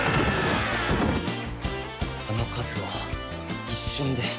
あの数を一瞬で。